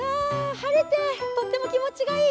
晴れて、とても気持ちがいい。